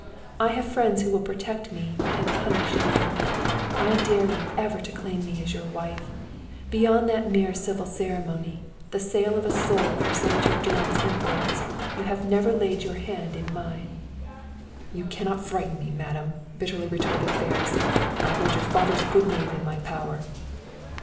"I have friends who will protect me and punish you. I dare you ever to claim me as your wife. Beyond that mere civil ceremony, the sale of a soul for Senator Dunham's influence, you have never laid your hand in mine." "You cannot frighten me, Madame," bitterly retorted Ferris. "I hold your father's good name in my power."